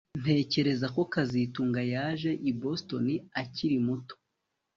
Ntekereza ko kazitunga yaje i Boston akiri muto